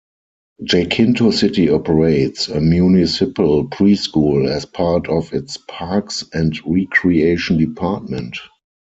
Jacinto City operates a municipal preschool as part of its Parks and Recreation Department.